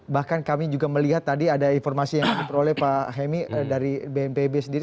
bahkan kami juga melihat tadi ada informasi yang diperoleh pak hemi dari bnpb sendiri